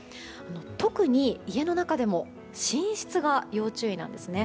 特に、家の中でも寝室が要注意なんですね。